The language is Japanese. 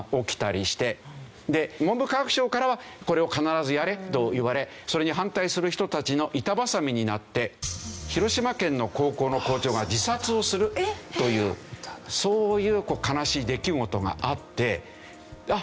で文部科学省からはこれを必ずやれと言われそれに反対する人たちの板挟みになって広島県の高校の校長が自殺をするというそういう悲しい出来事があってあっ！